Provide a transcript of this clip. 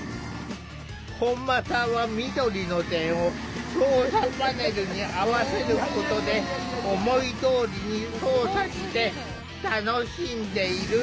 本間さんは緑の点を操作パネルに合わせることで思いどおりに操作して楽しんでいる。